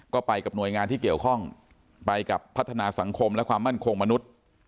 ก็ไปกับหน่วยงานที่เกี่ยวข้องไปกับพัฒนาสังคมและความมั่นคงมนุษย์